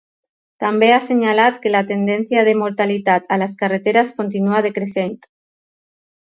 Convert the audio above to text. També ha assenyalat que la tendència de mortalitat a les carreteres continua decreixent.